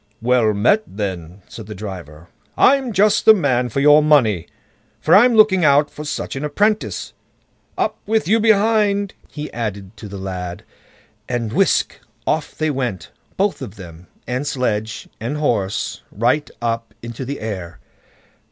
"Well met then", said the driver; "I'm just the man for your money, for I'm looking out for such an apprentice. Up with you behind!" he added to the lad, and whisk! off they went, both of them, and sledge and horse, right up into the air.